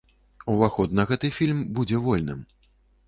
Уваход на гэты фільм будзе вольным.